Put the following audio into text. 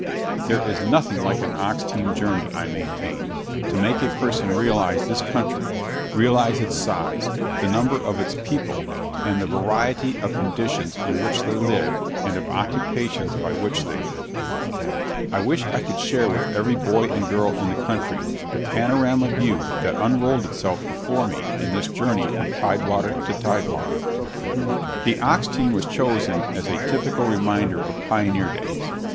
There is nothing like an ox team journey, I maintain, to make a person realize this country, realize its size, the number of its people, and the variety of conditions in which they live and of occupations by which they live. I wish I could share with every boy and girl in the country the panorama view that unrolled itself before me in this journey from tidewater to tidewater. The ox team was chosen as a typical reminder of pioneer days.